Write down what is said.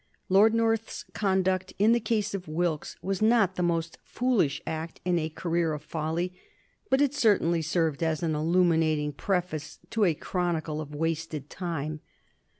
Lord North's conduct in the case of Wilkes was not the most foolish act in a career of folly, but it certainly served as an illuminating preface to a chronicle of wasted time.